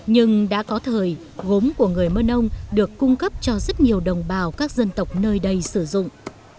nhưng đã có thời gốm của người mơn ông được cung cấp cho rất nhiều đồng bào các dân tộc nơi đây sử dụng